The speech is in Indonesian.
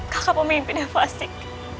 kakak pemimpin yang fasik